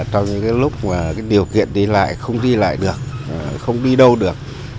trong những lúc điều kiện đi lại không đi lại được không đi đâu được